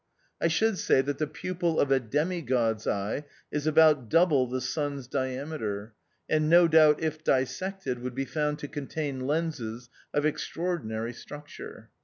I should say that the pupil of a demigod's eye is about double the sun's diameter, and no doubt, if dissected, would be found to contain lenses of extraordi nary structure.